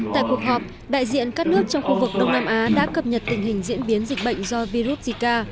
tại cuộc họp đại diện các nước trong khu vực đông nam á đã cập nhật tình hình diễn biến dịch bệnh do virus zika